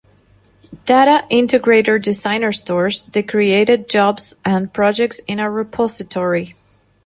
Data Integrator Designer stores the created jobs and projects in a Repository.